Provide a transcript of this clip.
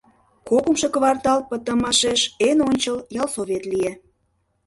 Кокымшо квартал пытымашеш эн ончыл ялсовет лие.